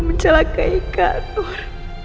mencela kaya kak nur